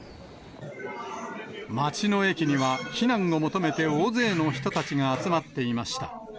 町の駅には避難を求めて大勢の人たちが集まっていました。